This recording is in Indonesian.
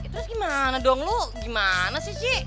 terus gimana dong lo gimana sih sih